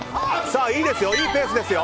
いいですよ、いいペースですよ。